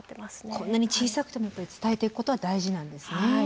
こんなに小さくてもやっぱり伝えていくことは大事なんですね。